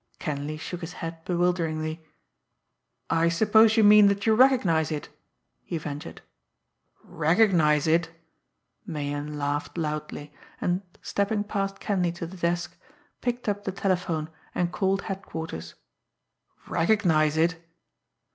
Kenleigh shook his head bewilderingly. "I suppose you mean that you recognise it?" he ventured. "Recognize it!" Meighan laughed low, and, stepping past Kenleigh to the desk, picked up the telephone, and called Headquarters. "Recognise it!"